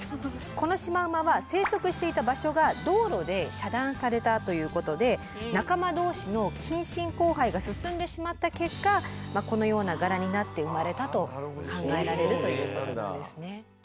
このシマウマは生息していた場所が道路で遮断されたということで仲間同士の近親交配が進んでしまった結果まあこのような柄になって生まれたと考えられるということですね。